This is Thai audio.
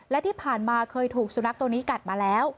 และที่ผ่านมาเคยถูกสุนัขตัวนี้กัดมาแล้ว